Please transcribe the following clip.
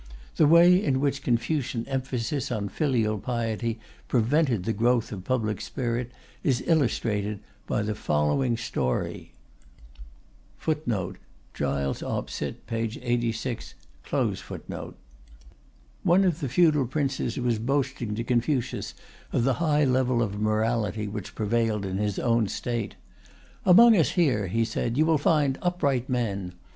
The way in which Confucian emphasis on filial piety prevented the growth of public spirit is illustrated by the following story: One of the feudal princes was boasting to Confucius of the high level of morality which prevailed in his own State. "Among us here," he said, "you will find upright men.